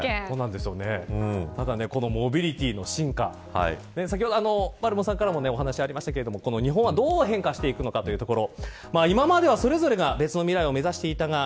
ただ、このモビリティの進化先ほど、まるもさんからもお話がありましたが日本はどう変化していくのかというところ。